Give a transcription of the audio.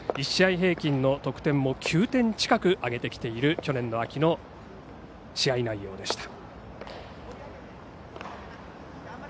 １試合平均の得点も９点近く挙げている去年の秋の試合内容でした。